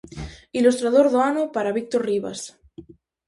Ilustrador do ano para Víctor Rivas.